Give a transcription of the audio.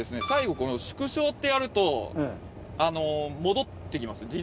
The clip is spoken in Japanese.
最後この縮小ってやるとあの戻ってきます。